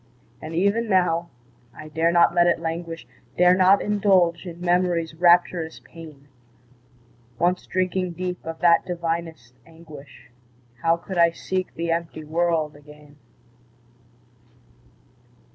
And even now, I dare not let it languish, Dare not indulge in Memory's rapturous pain; Once drinking deep of that divinest anguish, How could I seek the empty world again?